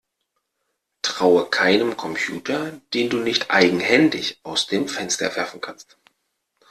Traue keinem Computer, den du nicht eigenhändig aus dem Fenster werfen kannst!